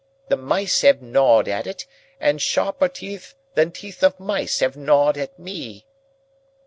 The mice have gnawed at it, and sharper teeth than teeth of mice have gnawed at me."